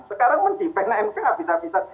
sekarang mendepennya mk habis habisan